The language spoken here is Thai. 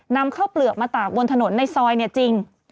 นำข้าวเปลือกมาตากบนถนนในซอยเนี่ยจริง